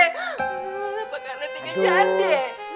kenapa karena tiga jande